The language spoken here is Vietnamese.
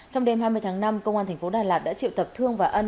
trong đêm hai mươi tháng năm công an tp đà lạt đã triệu tập thương và ân